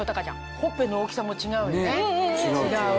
ほっぺの大きさも違うよね。